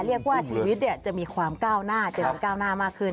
เรียกว่าชีวิตจะมีความก้าวหน้าเจริญก้าวหน้ามากขึ้น